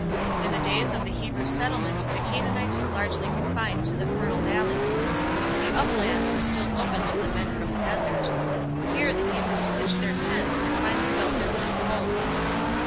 In the days of the Hebrew settlement the Canaanites were largely confined to the fertile valleys. The uplands were still open to the men from the desert. Here the Hebrews pitched their tents and finally built their rude homes.